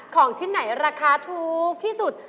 ของชิ้นไหนราคาถูกที่สุด